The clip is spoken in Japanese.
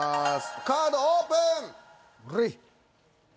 カードオープン！